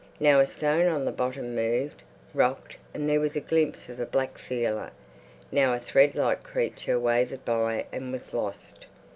Now a stone on the bottom moved, rocked, and there was a glimpse of a black feeler; now a thread like creature wavered by and was lost.